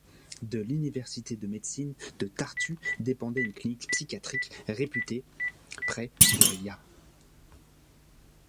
De l'université de médecine de Tartu dépendait une clinique psychiatrique réputée, près de Riga.